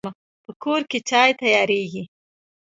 په کور کې چای تیاریږي